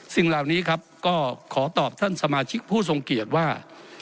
สิ่งเหล่านี้ครับก็ขอตอบท่านสมาชิกผู้ทรงเกียจว่า